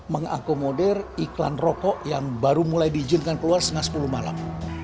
mengakomodir iklan rokok yang baru mulai diizinkan keluar setengah sepuluh malam